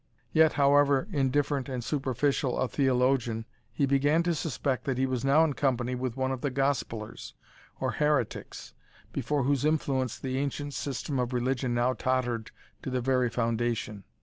Yet, however indifferent and superficial a theologian, he began to suspect that he was now in company with one of the gospellers, or heretics, before whose influence the ancient system of religion now tottered to the very foundation.